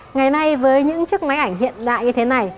ngày nay với những chiếc máy ảnh hiện đại như thế này